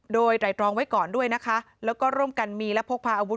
โดยไตรตรองไว้ก่อนด้วยนะคะแล้วก็ร่วมกันมีและพกพาอาวุธ